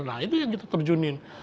nah itu yang kita terjunin